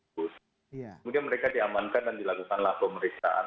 kemudian mereka diamankan dan dilakukan laporan pemeriksaan